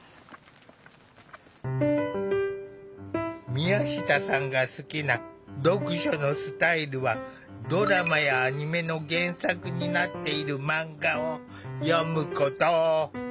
宮下さんが好きな読書のスタイルはドラマやアニメの原作になっているマンガを読むこと。